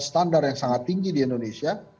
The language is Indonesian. standar yang sangat tinggi di indonesia